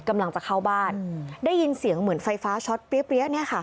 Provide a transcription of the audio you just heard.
กำลังจะเข้าบ้านได้ยินเสียงเหมือนไฟฟ้าช็อตเปรี้ยเนี่ยค่ะ